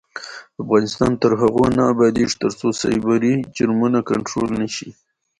افغانستان تر هغو نه ابادیږي، ترڅو سایبري جرمونه کنټرول نشي.